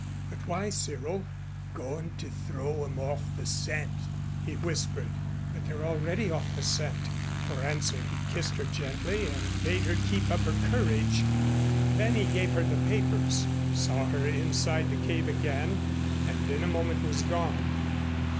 "But why, Cyril?" "Goin' to throw 'em off the scent," he whispered. "But they're already off the scent." For answer he kissed her gently and bade her keep up her courage. Then he gave her the papers, saw her inside the cave again and in a moment was gone.